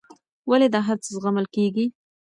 ولې دا هرڅه زغمل کېږي.